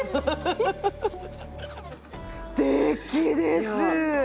すてきです！